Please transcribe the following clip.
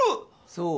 そう。